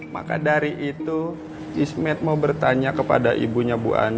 maka dari itu ismed mau bertanya kepada ibunya bu ani